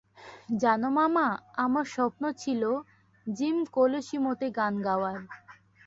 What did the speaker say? জানো মামা, আমার স্বপ্ন ছিল জিম কলোসিমোতে গান গাওয়ার।